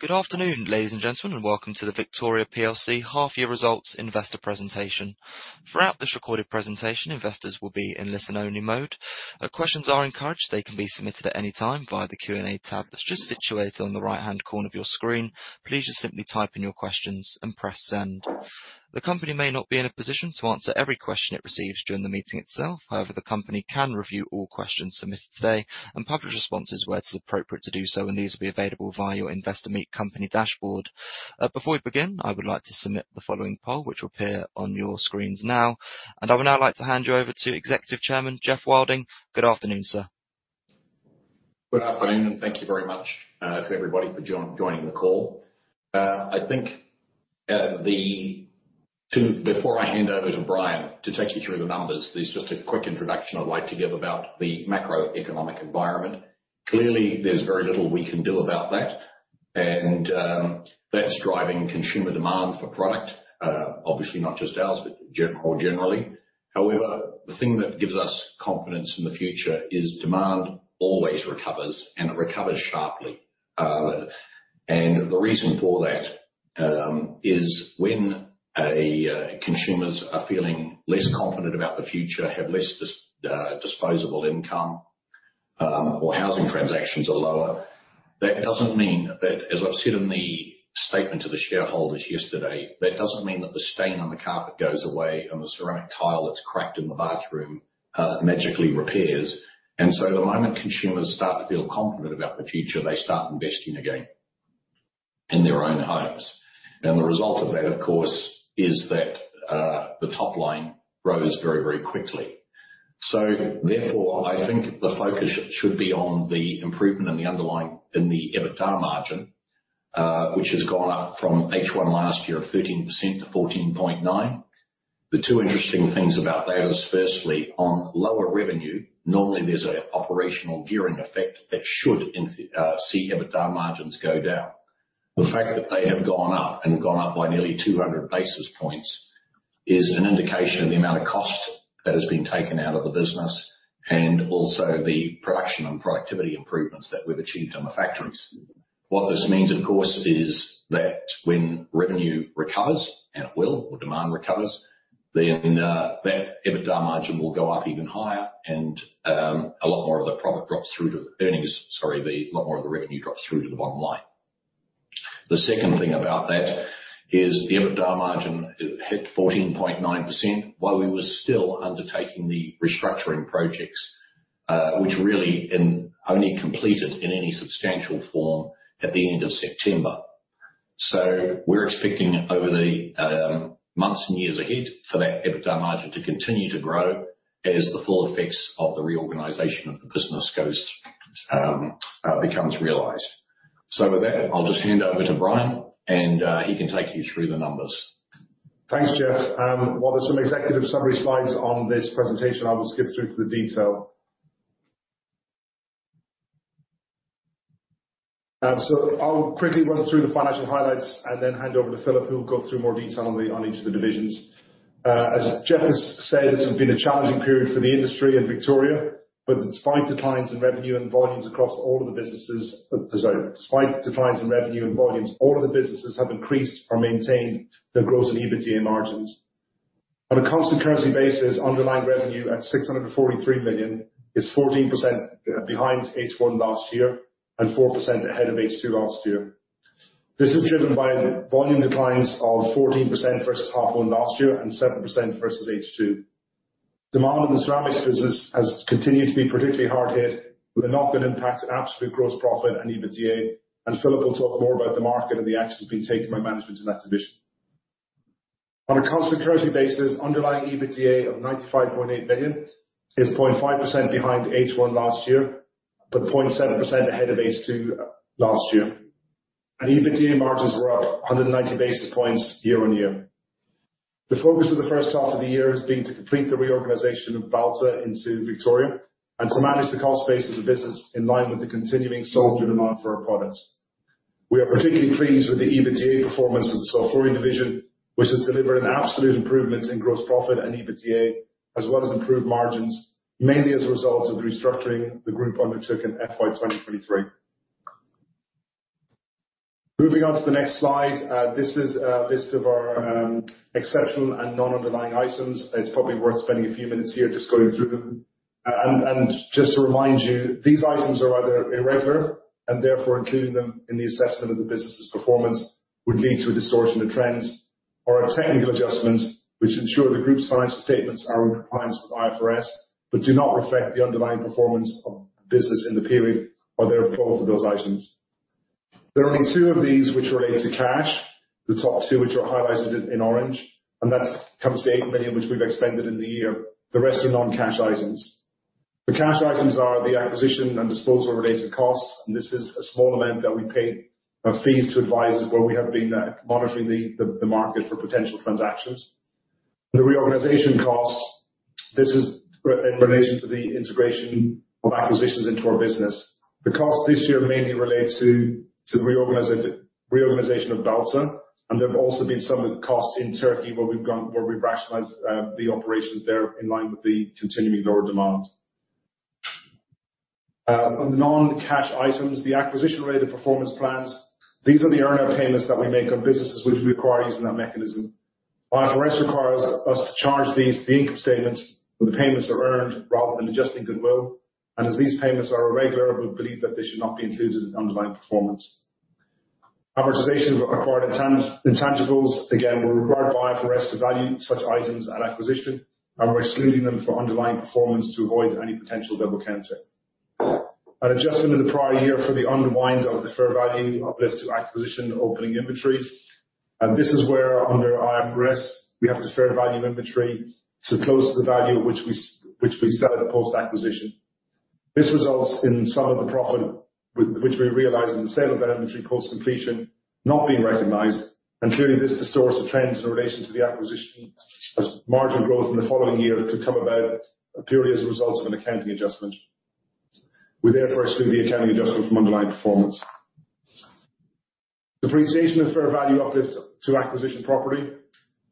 Good afternoon, ladies and gentlemen, and welcome to the Victoria PLC half-year results investor presentation. Throughout this recorded presentation, investors will be in listen-only mode. Questions are encouraged. They can be submitted at any time via the Q&A tab that's just situated on the right-hand corner of your screen. Please just simply type in your questions and press Send. The company may not be in a position to answer every question it receives during the meeting itself. However, the company can review all questions submitted today and publish responses where it is appropriate to do so, and these will be available via your Investor Meet Company dashboard. Before we begin, I would like to submit the following poll, which will appear on your screens now. I would now like to hand you over to Executive Chairman, Geoff Wilding. Good afternoon, sir. Good afternoon, and thank you very much to everybody for joining the call. I think, before I hand over to Brian, to take you through the numbers, there's just a quick introduction I'd like to give about the macroeconomic environment. Clearly, there's very little we can do about that, and that's driving consumer demand for product, obviously, not just ours, but more generally. However, the thing that gives us confidence in the future is demand always recovers, and it recovers sharply. And the reason for that is when consumers are feeling less confident about the future, have less disposable income, or housing transactions are lower, that doesn't mean that, as I've said in the statement to the shareholders yesterday, that doesn't mean that the stain on the carpet goes away and the ceramic tile that's cracked in the bathroom magically repairs. And so the moment consumers start to feel confident about the future, they start investing again in their own homes. And the result of that, of course, is that the top line grows very, very quickly. So therefore, I think the focus should be on the improvement in the underlying, in the EBITDA margin, which has gone up from H1 last year of 13% to 14.9%. The two interesting things about that is, firstly, on lower revenue, normally there's an operational gearing effect that should see EBITDA margins go down. The fact that they have gone up, and gone up by nearly 200 basis points, is an indication of the amount of cost that has been taken out of the business, and also the production and productivity improvements that we've achieved on the factories. What this means, of course, is that when revenue recovers, and it will, or demand recovers, then that EBITDA margin will go up even higher and, a lot more of the profit drops through to the earnings, sorry, the a lot more of the revenue drops through to the bottom line. The second thing about that is the EBITDA margin hit 14.9% while we were still undertaking the restructuring projects, which really and only completed in any substantial form at the end of September. So we're expecting over the months and years ahead for that EBITDA margin to continue to grow as the full effects of the reorganization of the business goes, becomes realized. So with that, I'll just hand over to Brian, and he can take you through the numbers. Thanks, Geoff. While there's some executive summary slides on this presentation, I will skip through to the detail. So I'll quickly run through the financial highlights and then hand over to Philippe, who will go through more detail on the, on each of the divisions. As Geoff has said, this has been a challenging period for the industry and Victoria, but despite declines in revenue and volumes across all of the businesses, despite declines in revenue and volumes, all of the businesses have increased or maintained their growth in EBITDA margins. On a constant currency basis, underlying revenue at 643 million is 14% behind H1 last year and 4% ahead of H2 last year. This is driven by volume declines of 14% versus half one last year and 7% versus H2. Demand in the ceramics business has continued to be particularly hard hit, with a significant impact to absolute gross profit and EBITDA, and Philippe will talk more about the market and the actions being taken by management in that division. On a constant currency basis, underlying EBITDA of 95.8 million is 0.5% behind H1 last year, but 0.7% ahead of H2 last year. EBITDA margins were up 190 basis points year-on-year. The focus of the first half of the year has been to complete the reorganization of Balta into Victoria, and to manage the cost base of the business in line with the continuing solid demand for our products. We are particularly pleased with the EBITDA performance of the Flooring division, which has delivered an absolute improvement in gross profit and EBITDA, as well as improved margins, mainly as a result of the restructuring the group undertook in FY 2023. Moving on to the next slide, this is a list of our exceptional and non-underlying items. It's probably worth spending a few minutes here just going through them. Just to remind you, these items are either irregular, and therefore, including them in the assessment of the business's performance would lead to a distortion of trends or a technical adjustment, which ensure the group's financial statements are in compliance with IFRS, but do not reflect the underlying performance of the business in the period or therefore, both of those items. There are only two of these which relate to cash, the top two, which are highlighted in orange, and that comes to 8 million, which we've expended in the year. The rest are non-cash items. The cash items are the acquisition and disposal-related costs, and this is a small amount that we paid as fees to advisors, where we have been monitoring the market for potential transactions. The reorganization costs, this is in relation to the integration of acquisitions into our business. The cost this year mainly relates to the reorganization of Balta, and there have also been some of the costs in Turkey, where we've rationalized the operations there in line with the continuing lower demand. On the non-cash items, the acquisition-related performance plans, these are the earn-out payments that we make on businesses which require using that mechanism. IFRS requires us to charge these to the income statement when the payments are earned, rather than adjusting goodwill, and as these payments are irregular, we believe that they should not be included in underlying performance. Amortization of acquired intangibles, again, we require IFRS to value such items at acquisition, and we're excluding them for underlying performance to avoid any potential double counting. An adjustment of the prior year for the unwind of the fair value uplift to acquisition opening inventory, and this is where, under IFRS, we have a fair value inventory to close the value which we which we sell at the post-acquisition. This results in some of the profit, which we realize in the sale of that inventory post-completion not being recognized, and clearly, this distorts the trends in relation to the acquisition as margin growth in the following year could come about a period as a result of an accounting adjustment. We therefore exclude the accounting adjustment from underlying performance. Depreciation of fair value uplift to acquisition property.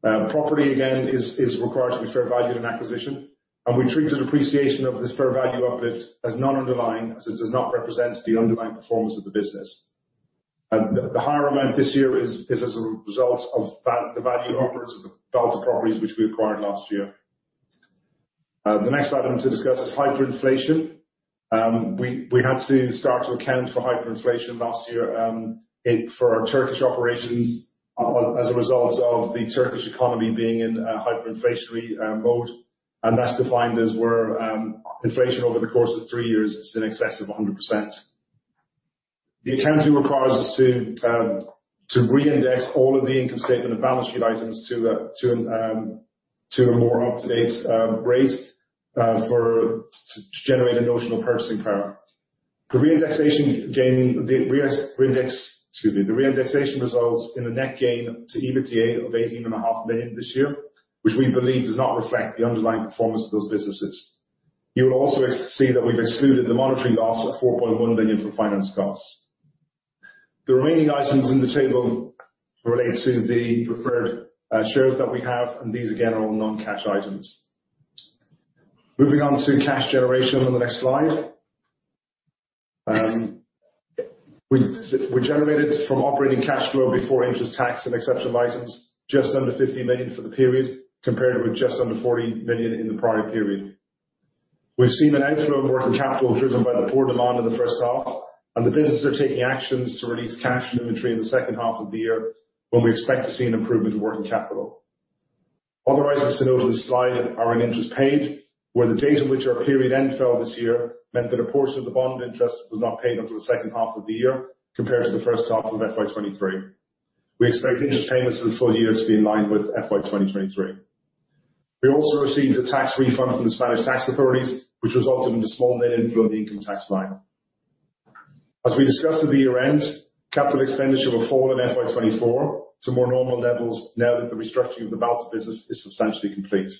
Property, again, is required to be fair valued in acquisition, and we treat the depreciation of this fair value uplift as non-underlying, as it does not represent the underlying performance of the business. The higher amount this year is as a result of the value upwards of the Balta properties which we acquired last year. The next item to discuss is hyperinflation. We had to start to account for hyperinflation last year in our Turkish operations as a result of the Turkish economy being in a hyperinflationary mode, and that's defined as where inflation over the course of three years is in excess of 100%. The accounting requires us to reindex all of the income statement and balance sheet items to a more up-to-date rate to generate a notional purchasing power. The reindexation results in a net gain to EBITDA of 18.5 million this year, which we believe does not reflect the underlying performance of those businesses. You will also see that we've excluded the monetary loss of 4.1 million for finance costs. The remaining items in the table relate to the preferred shares that we have, and these, again, are all non-cash items. Moving on to cash generation on the next slide. We generated from operating cash flow before interest, tax, and exceptional items, just under 50 million for the period, compared with just under 40 million in the prior period. We've seen an outflow of working capital, driven by the poor demand in the first half, and the businesses are taking actions to release cash from inventory in the second half of the year, when we expect to see an improvement in working capital. Other items to note on this slide are in interest paid, where the date of which our period end fell this year meant that a portion of the bond interest was not paid until the second half of the year compared to the first half of FY 2023. We expect interest payments for the full year to be in line with FY 2023. We also received a tax refund from the Spanish tax authorities, which resulted in a small net inflow in the income tax line. As we discussed at the year-end, capital expenditure will fall in FY 2024 to more normal levels now that the restructuring of the Balta business is substantially complete.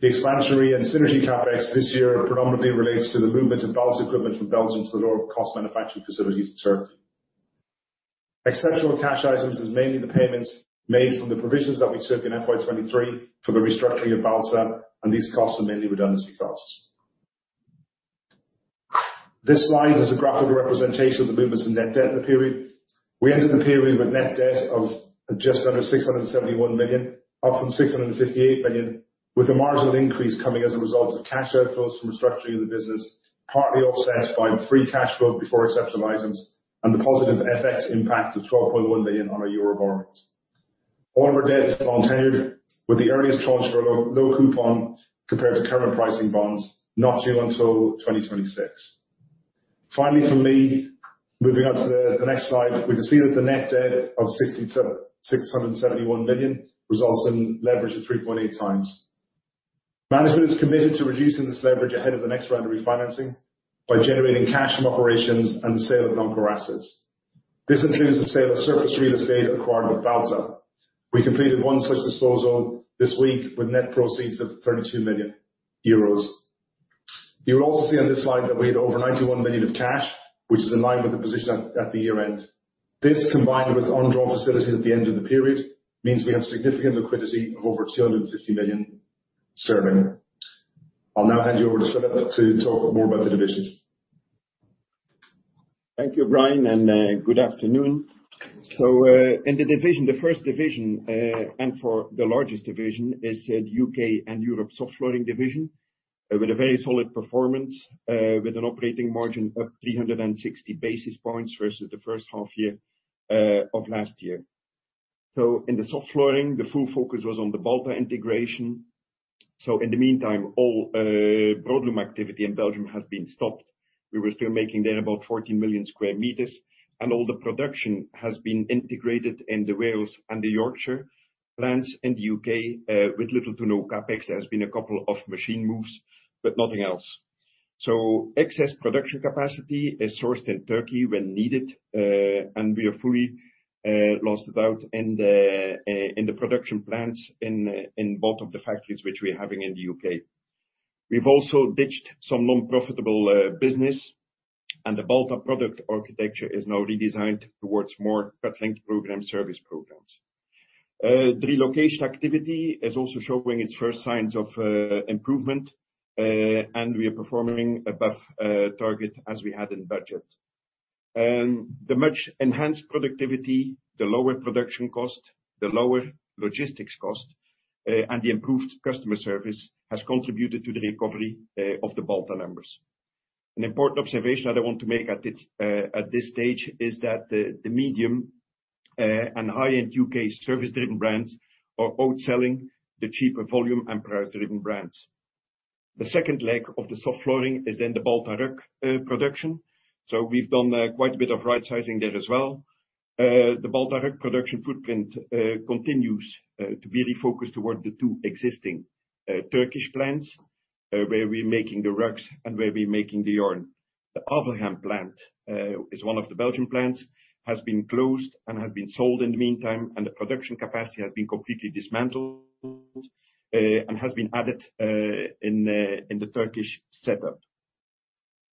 The expansionary and synergy CapEx this year predominantly relates to the movement of Balta equipment from Belgium to the lower cost manufacturing facilities in Turkey. Exceptional cash items is mainly the payments made from the provisions that we took in FY 2023 for the restructuring of Balta, and these costs are mainly redundancy costs. This slide is a graphical representation of the movements in net debt in the period. We ended the period with net debt of just under 671 million, up from 658 million, with a marginal increase coming as a result of cash outflows from restructuring the business, partly offset by the free cash flow before exceptional items and the positive FX impact of 12.1 million on our euro borrowings. All of our debt is long-term, with the earliest tranche of low, low coupon, compared to current pricing bonds, not due until 2026. Finally, from me, moving on to the next slide, we can see that the net debt of 671 million results in leverage of 3.8 times. Management is committed to reducing this leverage ahead of the next round of refinancing by generating cash from operations and the sale of non-core assets. This includes the sale of surplus real estate acquired with Balta. We completed one such disposal this week with net proceeds of 32 million euros. You'll also see on this slide that we had over 91 million of cash, which is in line with the position at the year-end. This, combined with undrawn facilities at the end of the period, means we have significant liquidity of over 250 million sterling. I'll now hand you over to Philippe to talk more about the divisions. Thank you, Brian, and good afternoon. In the division, the first division, and for the largest division, is the UK and Europe Soft Flooring division, with a very solid performance, with an operating margin of 360 basis points versus the first half-year of last year. In the soft flooring, the full focus was on the Balta integration. In the meantime, all broadloom activity in Belgium has been stopped. We were still making there about 14 million square meters, and all the production has been integrated in the Wales and the Yorkshire plants in the UK, with little to no CapEx. There has been a couple of machine moves, but nothing else. So excess production capacity is sourced in Turkey when needed, and we are fully launched out in the production plants in both of the factories which we are having in the UK. We've also ditched some non-profitable business, and the Balta product architecture is now redesigned towards more profit-linked program service programs. The relocation activity is also showing its first signs of improvement, and we are performing above target as we had in budget. The much enhanced productivity, the lower production cost, the lower logistics cost, and the improved customer service has contributed to the recovery of the Balta numbers. An important observation that I want to make at this stage is that the medium and high-end UK service-driven brands are outselling the cheaper volume and price-driven brands. The second leg of the soft flooring is in the Balta rug production, so we've done quite a bit of right sizing there as well. The Balta rug production footprint continues to be refocused toward the two existing Turkish plants, where we're making the rugs and where we're making the yarn. The Avelgem plant is one of the Belgian plants, has been closed and has been sold in the meantime, and the production capacity has been completely dismantled and has been added in the Turkish setup.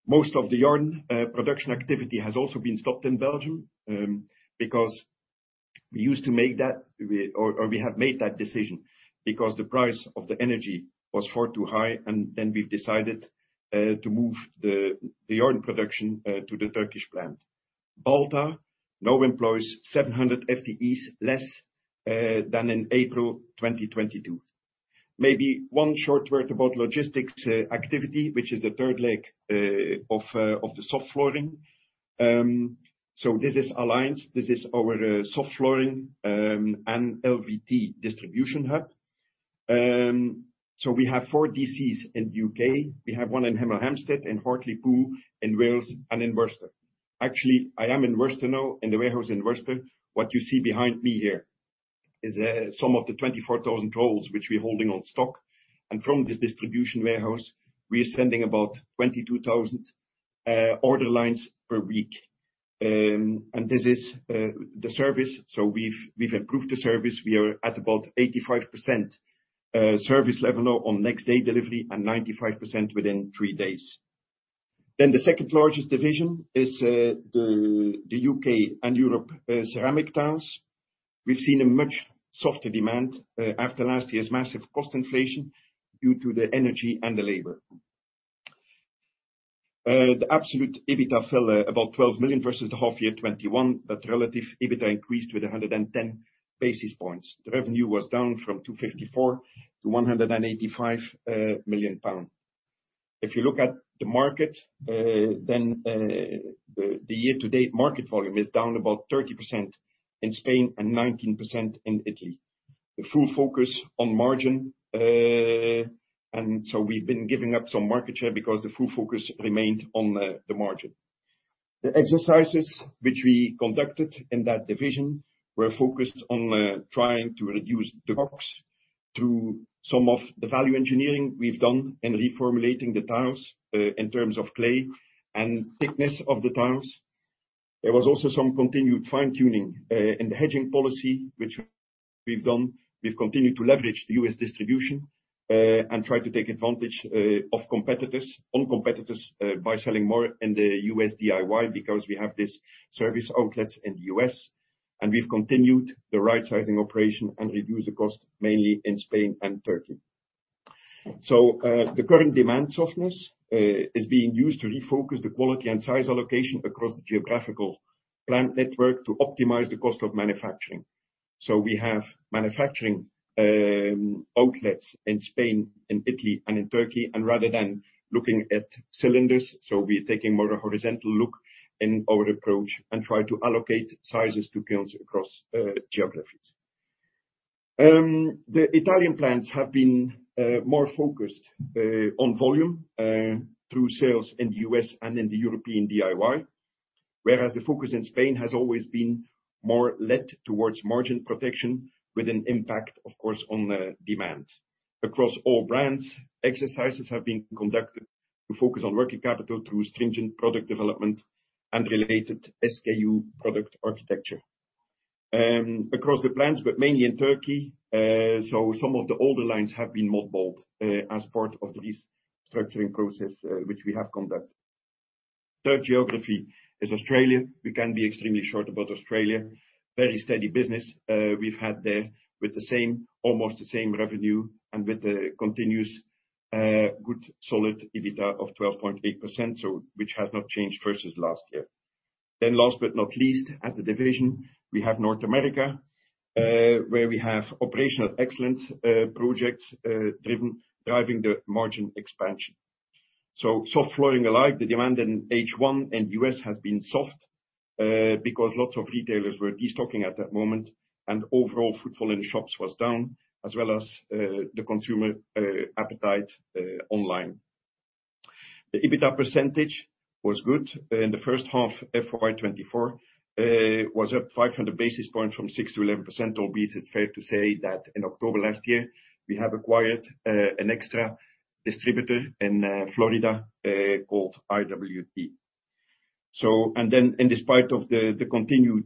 Most of the yarn production activity has also been stopped in Belgium, because we used to make that, or we have made that decision because the price of the energy was far too high, and then we've decided to move the yarn production to the Turkish plant. Balta now employs 700 FTEs less than in April 2022. Maybe one short word about logistics activity, which is the third leg of the soft flooring. So this is Alliance, this is our soft flooring and LVT distribution hub. So we have four DCs in the UK. We have one in Hemel Hempstead, in Hartlepool, in Wales, and in Worcester. Actually, I am in Worcester now, in the warehouse in Worcester. What you see behind me here is some of the 24,000 rolls which we're holding on stock, and from this distribution warehouse, we are sending about 22,000 order lines per week. And this is the service, so we've improved the service. We are at about 85% service level now on next day delivery, and 95% within three days. Then the second largest division is the UK and Europe ceramic tiles. We've seen a much softer demand after last year's massive cost inflation due to the energy and the labor. The absolute EBITDA fell about 12 million versus the half year 2021, but relative EBITDA increased with 110 basis points. The revenue was down from 254 million to 185 million pounds. If you look at the market, then, the year-to-date market volume is down about 30% in Spain and 19% in Italy. The full focus on margin, and so we've been giving up some market share because the full focus remained on the margin. The exercises which we conducted in that division were focused on, trying to reduce the costs through some of the value engineering we've done in reformulating the tiles, in terms of clay and thickness of the tiles. There was also some continued fine-tuning, in the hedging policy, which we've done. We've continued to leverage the U.S. distribution and try to take advantage of competitors by selling more in the U.S. DIY, because we have this service outlets in the U.S., and we've continued the right-sizing operation and reduce the cost, mainly in Spain and Turkey. So, the current demand softness is being used to refocus the quality and SKU allocation across the geographical plant network to optimize the cost of manufacturing. So we have manufacturing outlets in Spain and Italy and in Turkey, and rather than looking at silos, so we're taking more a horizontal look in our approach and try to allocate sizes to accounts across geographies. The Italian plants have been more focused on volume through sales in the US and in the European DIY, whereas the focus in Spain has always been more led towards margin protection, with an impact, of course, on the demand. Across all brands, exercises have been conducted to focus on working capital through stringent product development and related SKU product architecture. Across the plants, but mainly in Turkey, so some of the older lines have been mothballed as part of the restructuring process, which we have conducted. Third geography is Australia. We can be extremely short about Australia. Very steady business we've had there, with almost the same revenue and with the continuous good, solid EBITDA of 12.8%, so which has not changed versus last year. Then last but not least, as a division, we have North America, where we have operational excellence projects driving the margin expansion. So, soft flooring alike, the demand in H1 in U.S. has been soft because lots of retailers were de-stocking at that moment, and overall footfall in the shops was down, as well as the consumer appetite online. The EBITDA percentage was good. In the first half, FY 2024, was up 500 basis points from 6% to 11%, albeit it's fair to say that in October last year, we have acquired an extra distributor in Florida called IWT. So, and then, despite of the continued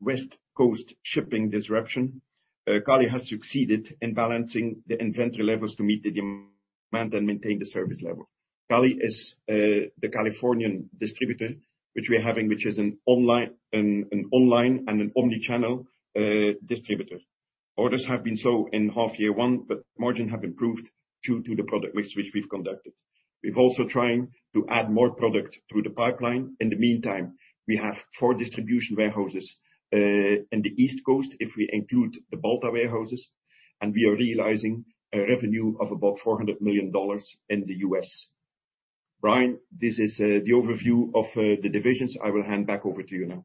West Coast shipping disruption, CALI has succeeded in balancing the inventory levels to meet the demand and maintain the service level. CALI is the Californian distributor, which we are having, which is an online and an omni-channel distributor. Orders have been slow in half year 1, but margin have improved due to the product mix which we've conducted. We've also trying to add more product through the pipeline. In the meantime, we have 4 distribution warehouses in the East Coast, if we include the Balta warehouses, and we are realizing a revenue of about $400 million in the US. Brian, this is the overview of the divisions. I will hand back over to you now.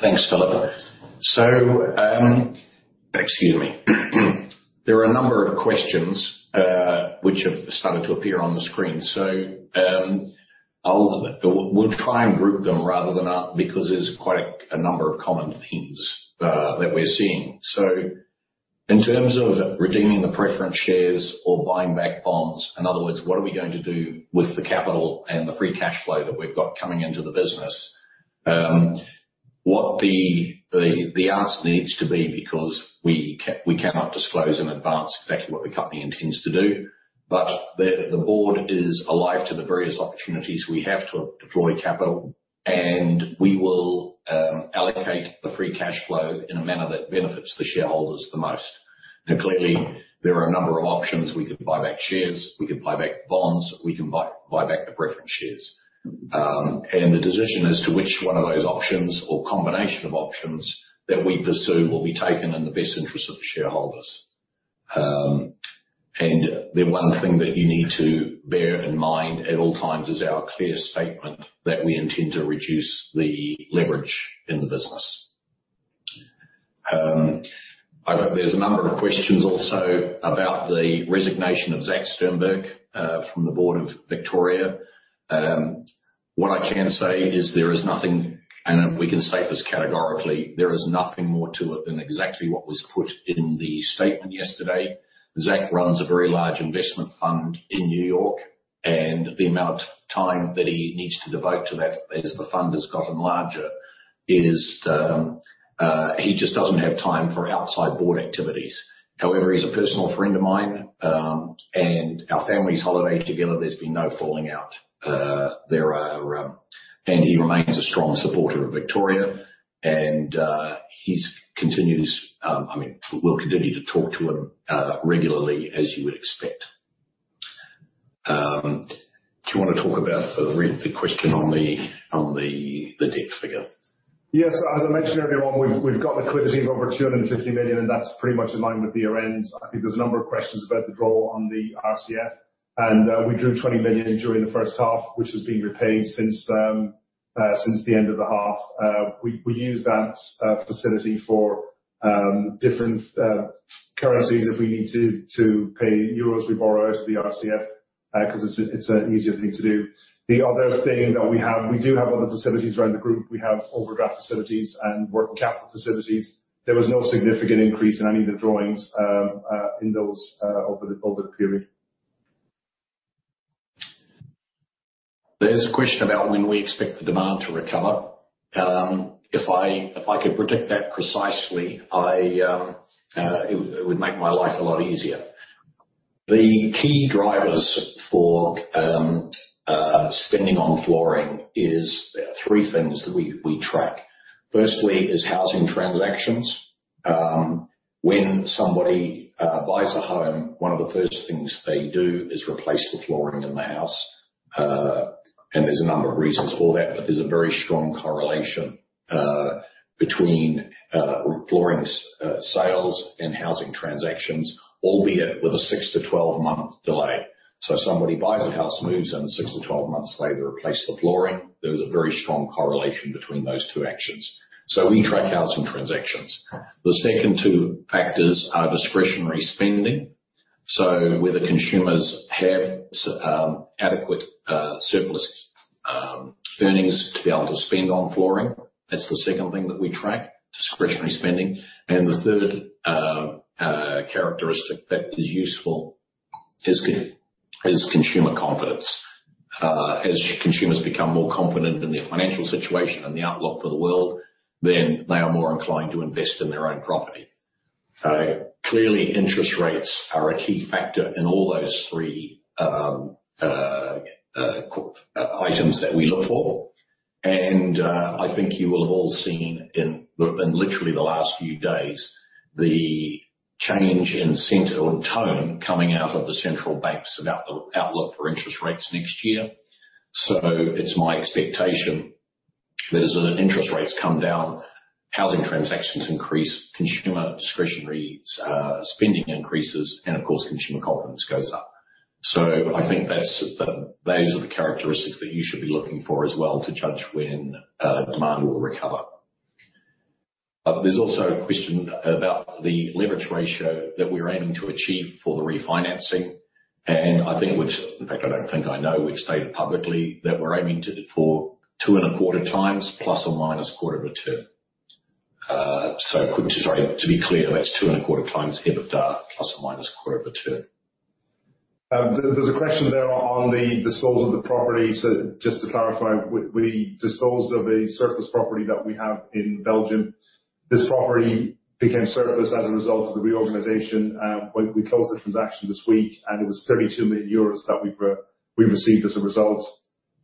Thanks, Philippe. So, excuse me. There are a number of questions which have started to appear on the screen. So, I'll, we'll try and group them rather than ask, because there's quite a number of common themes that we're seeing. So in terms of redeeming the preference shares or buying back bonds, in other words, what are we going to do with the capital and the free cash flow that we've got coming into the business? What the answer needs to be, because we cannot disclose in advance exactly what the company intends to do, but the board is alive to the various opportunities we have to deploy capital, and we will allocate the free cash flow in a manner that benefits the shareholders the most. Now, clearly, there are a number of options. We could buy back shares, we could buy back bonds, we can buy back the preference shares. The decision as to which one of those options or combination of options that we pursue will be taken in the best interest of the shareholders. The one thing that you need to bear in mind at all times is our clear statement that we intend to reduce the leverage in the business. I think there's a number of questions also about the resignation of Zachary Sternberg from the board of Victoria. What I can say is there is nothing, and we can say this categorically, there is nothing more to it than exactly what was put in the statement yesterday. Zach runs a very large investment fund in New York, and the amount of time that he needs to devote to that as the fund has gotten larger, is, he just doesn't have time for outside board activities. However, he's a personal friend of mine, and our families holiday together. There's been no falling out. He remains a strong supporter of Victoria, and, he's continues, I mean, we'll continue to talk to him, regularly, as you would expect. Do you wanna talk about the question on the debt figure? Yes. As I mentioned earlier on, we've got liquidity of over 250 million, and that's pretty much in line with the year end. I think there's a number of questions about the draw on the RCF, and we drew 20 million during the first half, which has been repaid since, since the end of the half. We used that facility for different currencies if we need to, to pay euros, we borrow out of the RCF, because it's an easier thing to do. The other thing that we have, we do have other facilities around the group. We have overdraft facilities and working capital facilities. There was no significant increase in any of the drawings, in those, over the period. There's a question about when we expect the demand to recover. If I, if I could predict that precisely, I, it would, it would make my life a lot easier. The key drivers for spending on flooring is three things that we, we track. Firstly, is housing transactions. When somebody buys a home, one of the first things they do is replace the flooring in the house. And there's a number of reasons for that, but there's a very strong correlation between flooring sales and housing transactions, albeit with a 6-12-month delay. So somebody buys a house, moves in, 6-12 months later, replace the flooring. There is a very strong correlation between those two actions. So we track housing transactions. The second two factors are discretionary spending. So whether consumers have adequate surplus earnings to be able to spend on flooring, that's the second thing that we track, discretionary spending. The third characteristic that is useful is consumer confidence. As consumers become more confident in their financial situation and the outlook for the world, then they are more inclined to invest in their own property. Clearly, interest rates are a key factor in all those three items that we look for. I think you will have all seen in literally the last few days, the change in sentiment or tone coming out of the central banks about the outlook for interest rates next year. So it's my expectation that as interest rates come down, housing transactions increase, consumer discretionary spending increases, and of course, consumer confidence goes up. So I think that's those are the characteristics that you should be looking for as well to judge when demand will recover. But there's also a question about the leverage ratio that we're aiming to achieve for the refinancing, and I think which, in fact, I don't think I know, we've stated publicly that we're aiming to for 2.25 times plus or minus quarter of a turn. To be clear, that's 2.25x EBITDA, plus or minus a quarter of a turn. There, there's a question there on the disposal of the property. So just to clarify, we disposed of a surplus property that we have in Belgium. This property became surplus as a result of the reorganization. We closed the transaction this week, and it was 32 million euros that we've received as a result.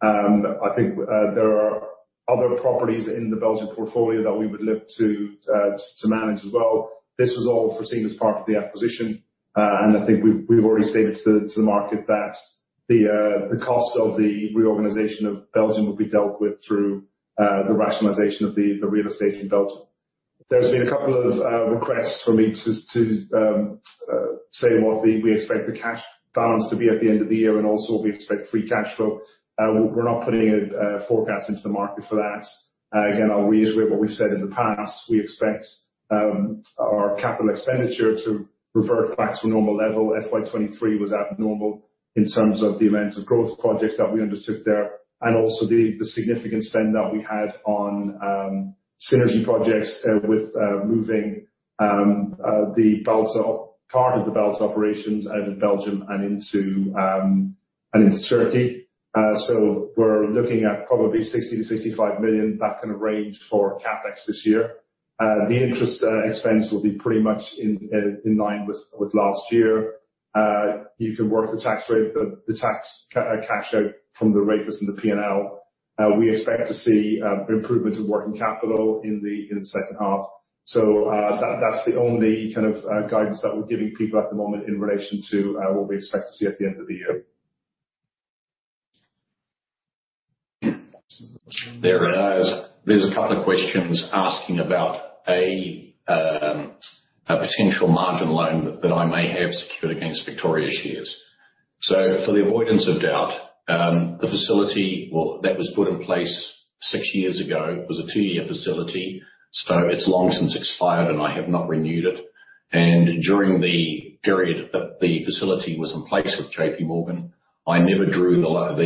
I think, there are other properties in the Belgian portfolio that we would look to, to manage as well. This was all foreseen as part of the acquisition, and I think we've already stated to the market that the cost of the reorganization of Belgium will be dealt with through the rationalization of the real estate in Belgium. There's been a couple of requests for me to say what we expect the cash balance to be at the end of the year, and also what we expect free cash flow. We're not putting a forecast into the market for that. Again, I'll reiterate what we've said in the past: We expect our capital expenditure to revert back to a normal level. FY 2023 was abnormal in terms of the amount of growth projects that we undertook there, and also the significant spend that we had on synergy projects with moving part of the Balta operations out of Belgium and into Turkey. So we're looking at probably 60-65 million, that kind of range, for CapEx this year. The interest expense will be pretty much in line with last year. You can work the tax rate, the tax cash out from the rates in the P&L. We expect to see improvement in working capital in the second half. So, that's the only kind of guidance that we're giving people at the moment in relation to what we expect to see at the end of the year. There it is. There's a couple of questions asking about a potential margin loan that I may have secured against Victoria shares. So for the avoidance of doubt, the facility... Well, that was put in place six years ago, was a two-year facility, so it's long since expired, and I have not renewed it. And during the period that the facility was in place with J.P. Morgan, I never drew the loan,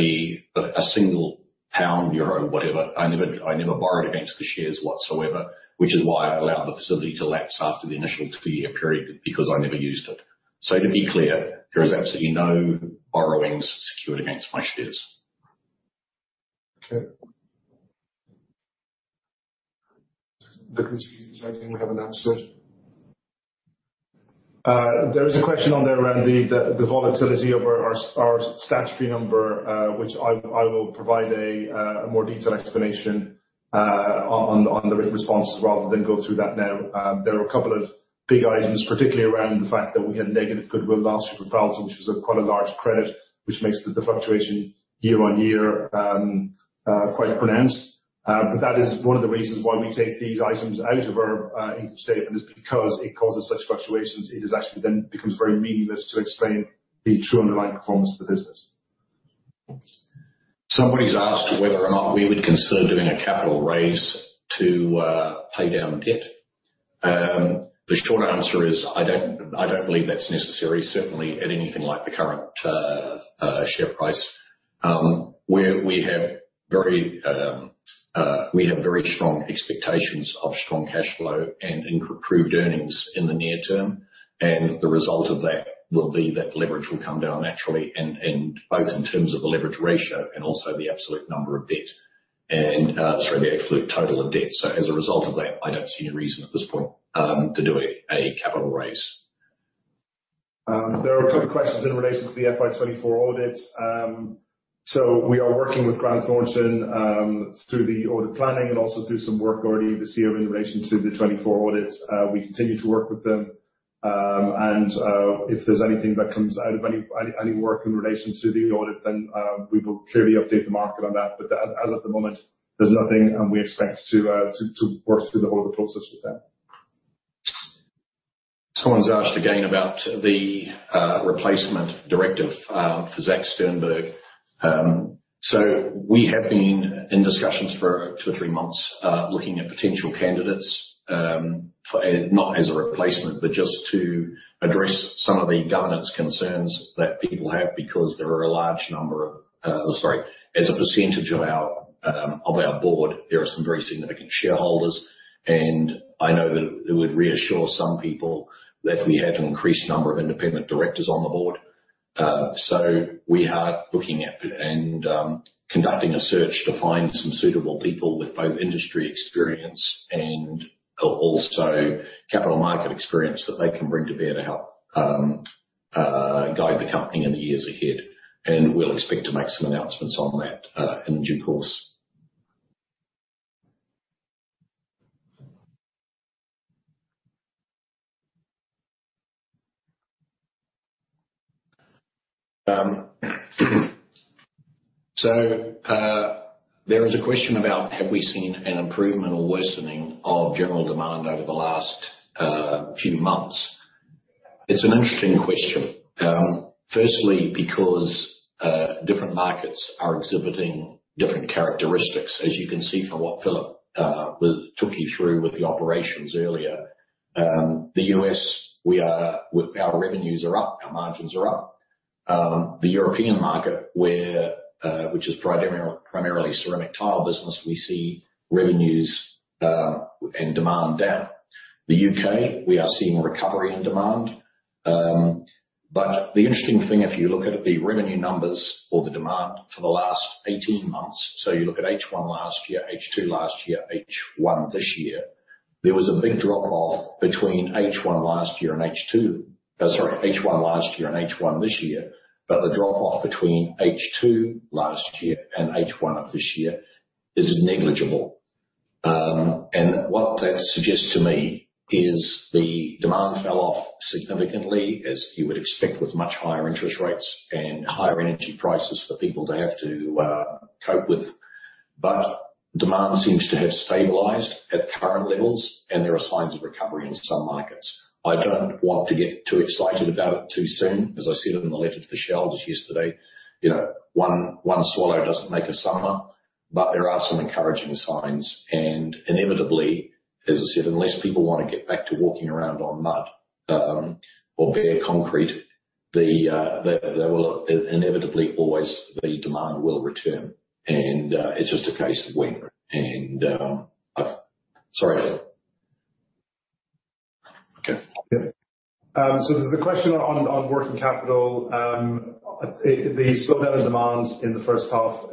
a single pound, euro, whatever. I never, I never borrowed against the shares whatsoever, which is why I allowed the facility to lapse after the initial two-year period, because I never used it. So to be clear, there is absolutely no borrowings secured against my shares. Okay. Looking to see if there's anything we haven't answered. There is a question on there around the volatility of our statutory number, which I will provide a more detailed explanation on the written response rather than go through that now. There are a couple of big items, particularly around the fact that we had negative goodwill last year with Balta, which is quite a large credit, which makes the fluctuation year-over-year quite pronounced. But that is one of the reasons why we take these items out of our income statement, is because it causes such fluctuations; it actually then becomes very meaningless to explain the true underlying performance of the business. Somebody's asked whether or not we would consider doing a capital raise to pay down debt. The short answer is I don't, I don't believe that's necessary, certainly at anything like the current share price. We have very strong expectations of strong cash flow and increasing approved earnings in the near term, and the result of that will be that leverage will come down naturally and both in terms of the leverage ratio and also the absolute number of debt and sorry, the absolute total of debt. So as a result of that, I don't see any reason at this point to do a capital raise. There are a couple of questions in relation to the FY 2024 audit. So we are working with Grant Thornton through the audit planning and also through some work already this year in relation to the 2024 audit. We continue to work with them, and if there's anything that comes out of any work in relation to the audit, then we will clearly update the market on that. But as of the moment, there's nothing, and we expect to work through the whole process with them. Someone's asked again about the replacement director for Zachary Sternberg. So we have been in discussions for 2-3 months looking at potential candidates for... Not as a replacement, but just to address some of the governance concerns that people have, because there are a large number of, sorry, as a percentage of our board, there are some very significant shareholders, and I know that it would reassure some people that we had an increased number of independent directors on the board. So we are looking at and conducting a search to find some suitable people with both industry experience and also capital market experience that they can bring to bear to help guide the company in the years ahead. And we'll expect to make some announcements on that in due course. So, there is a question about: Have we seen an improvement or worsening of general demand over the last few months? It's an interesting question, firstly, because different markets are exhibiting different characteristics. As you can see from what Philip took you through with the operations earlier, the U.S., our revenues are up, our margins are up. The European market where, which is primarily, primarily ceramic tile business, we see revenues and demand down. The U.K., we are seeing recovery in demand. But the interesting thing, if you look at the revenue numbers or the demand for the last 18 months, so you look at H1 last year, H2 last year, H1 this year, there was a big drop-off between H1 last year and H2. Sorry, H1 last year and H1 this year, but the drop-off between H2 last year and H1 of this year is negligible. And what that suggests to me is the demand fell off significantly, as you would expect, with much higher interest rates and higher energy prices for people to have to cope with. But demand seems to have stabilized at current levels, and there are signs of recovery in some markets. I don't want to get too excited about it too soon, as I said in the letter to the shareholders yesterday, you know, one swallow doesn't make a summer, but there are some encouraging signs. And inevitably, as I said, unless people want to get back to walking around on mud or bare concrete, there will inevitably always be demand will return, and it's just a case of when. Sorry. Okay. So there's a question on, on working capital. The slowdown in demands in the first half,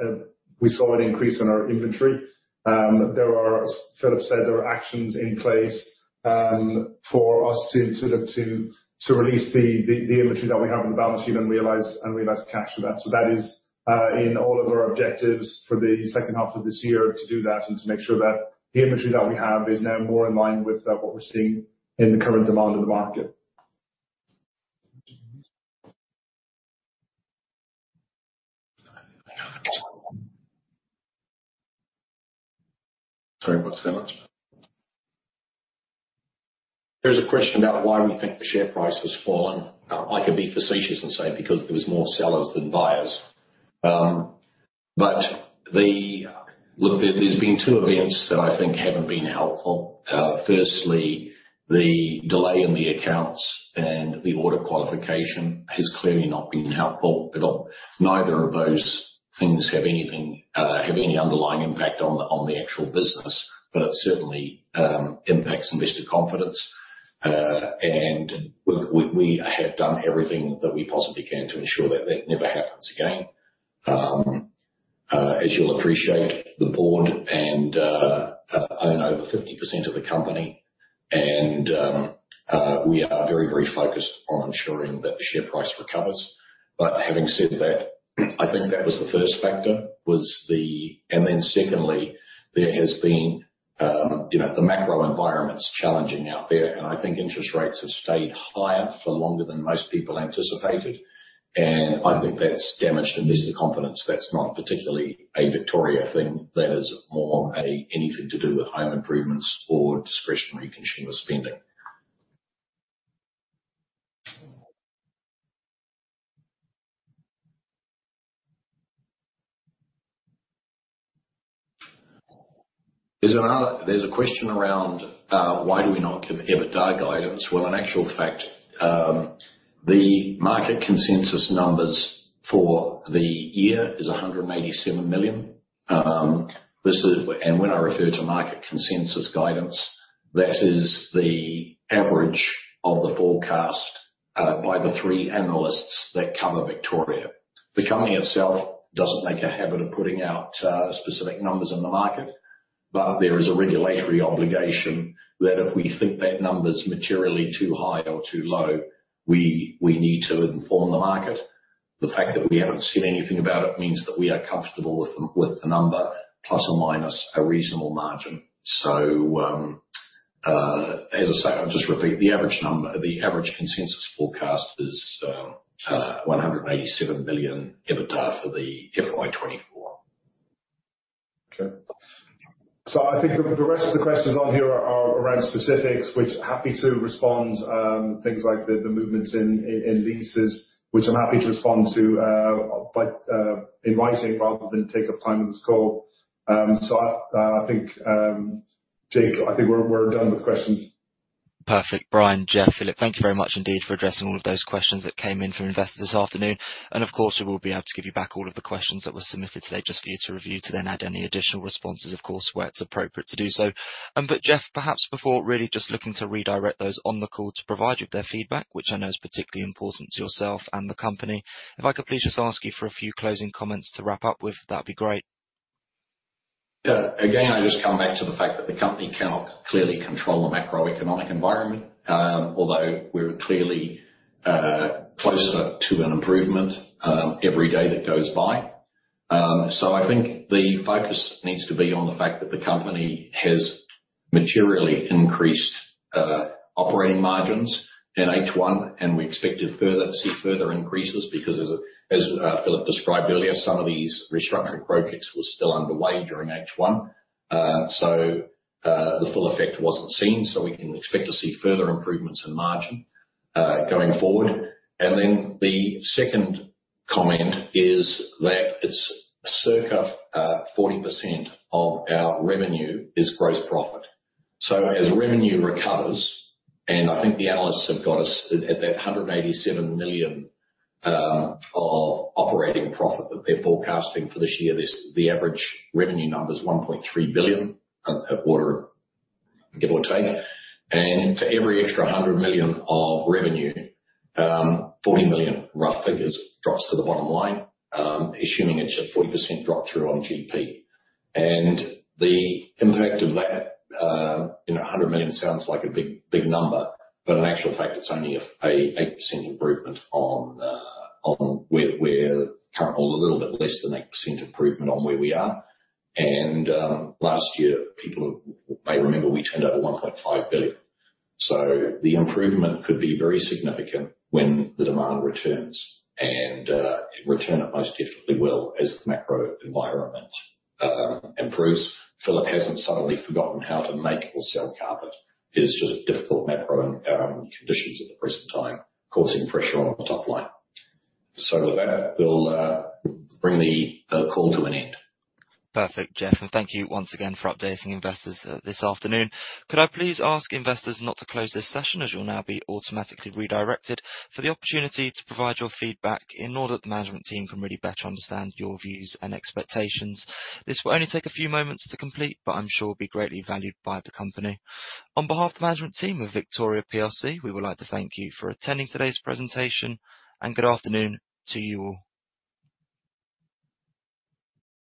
we saw an increase in our inventory. There are, as Philip said, there are actions in place, for us to, to look to, to release the, the, the inventory that we have on the balance sheet and realize, and realize cash for that. So that is, in all of our objectives for the second half of this year, to do that and to make sure that the inventory that we have is now more in line with, what we're seeing in the current demand of the market. Sorry about that. There's a question about why we think the share price has fallen. I could be facetious and say, because there was more sellers than buyers. But look, there's been two events that I think haven't been helpful. Firstly, the delay in the accounts and the order qualification has clearly not been helpful. But neither of those things have anything, have any underlying impact on the, on the actual business, but it certainly impacts investor confidence. And we, we, we have done everything that we possibly can to ensure that that never happens again. As you'll appreciate, the board and I own over 50% of the company, and we are very, very focused on ensuring that the share price recovers. But having said that, I think that was the first factor, was the... And then secondly, there has been, you know, the macro environment's challenging out there, and I think interest rates have stayed higher for longer than most people anticipated. And I think that's damaged investor confidence. That's not particularly a Victoria thing. That is more anything to do with home improvements or discretionary consumer spending. There's a question around, why do we not give EBITDA guidance? Well, in actual fact, the market consensus numbers for the year is 187 million. And when I refer to market consensus guidance, that is the average of the forecast by the three analysts that cover Victoria. The company itself doesn't make a habit of putting out, specific numbers in the market, but there is a regulatory obligation that if we think that number's materially too high or too low, we need to inform the market. The fact that we haven't said anything about it means that we are comfortable with the number, plus or minus a reasonable margin. So, as I say, I'll just repeat, the average number, the average consensus forecast is, 187 million EBITDA for the FY 2024. Okay. So I think the rest of the questions on here are around specifics, which happy to respond. Things like the movements in leases, which I'm happy to respond to, but in writing rather than take up time on this call. So I think, Jake, I think we're done with questions. Perfect. Brian, Geoff, Philippe, thank you very much indeed for addressing all of those questions that came in from investors this afternoon. And of course, we will be able to give you back all of the questions that were submitted today just for you to review, to then add any additional responses, of course, where it's appropriate to do so. But Geoff, perhaps before really just looking to redirect those on the call to provide you with their feedback, which I know is particularly important to yourself and the company, if I could please just ask you for a few closing comments to wrap up with, that'd be great. Again, I just come back to the fact that the company cannot clearly control the macroeconomic environment, although we're clearly closer to an improvement every day that goes by. So I think the focus needs to be on the fact that the company has materially increased operating margins in H1, and we expect to see further increases, because Philip described earlier, some of these restructuring projects were still underway during H1. So the full effect wasn't seen, so we can expect to see further improvements in margin going forward. And then the second comment is that it's circa 40% of our revenue is gross profit. So as revenue recovers, and I think the analysts have got us at that 187 million of operating profit that they're forecasting for this year. The average revenue number is 1.3 billion at quarter, give or take. And for every extra 100 million of revenue, 40 million, rough figures, drops to the bottom line, assuming it's a 40% drop-through on GP. And the impact of that, you know, 100 million sounds like a big, big number, but in actual fact, it's only an 8% improvement on where we are. Or a little bit less than 8% improvement on where we are. Last year, people may remember we turned over 1.5 billion, so the improvement could be very significant when the demand returns. It will most definitely return as the macro environment improves. Philippe hasn't suddenly forgotten how to make or sell carpet. It's just difficult macro conditions at the present time, causing pressure on the topline. So with that, we'll bring the call to an end. Perfect, Geoff, and thank you once again for updating investors this afternoon. Could I please ask investors not to close this session, as you'll now be automatically redirected, for the opportunity to provide your feedback in order that the management team can really better understand your views and expectations. This will only take a few moments to complete, but I'm sure will be greatly valued by the company. On behalf of the management team of Victoria PLC, we would like to thank you for attending today's presentation, and good afternoon to you all.